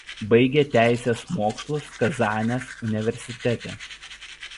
Baigė teisės mokslus Kazanės universitete.